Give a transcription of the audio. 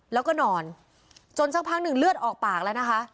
แล้วก็นอนจนสักพักหนึ่งเลือดออกปากแล้วนะคะ